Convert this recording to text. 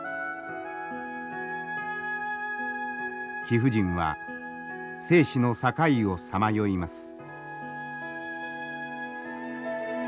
貴婦人は生死の境をさまよいます。